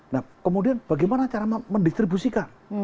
nah kemudian bagaimana cara mendistribusikan